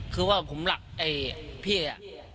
คือว่าผมรักไอ้พี่